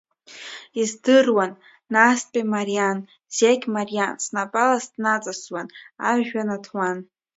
Издыруан, настәи мариан, зегь мариан, снапала снаҵасуан ажәҩан аҭуан.